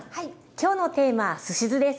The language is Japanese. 今日のテーマはすし酢です。